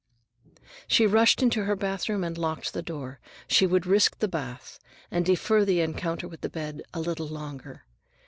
She rushed into her bathroom and locked the door. She would risk the bath, and defer the encounter with the bed a little longer.